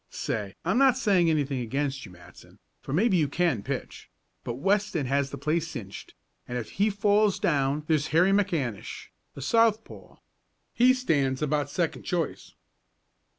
Say, I'm not saying anything against you, Matson, for maybe you can pitch, but Weston has the place cinched, and if he falls down there's Harry McAnish, a southpaw. He stands about second choice."